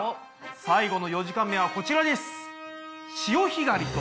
最後の４時間目はこちらです。